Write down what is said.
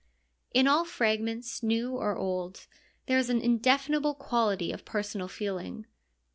In all the fragments, new or old, there is an inde finable quality of personal feeling.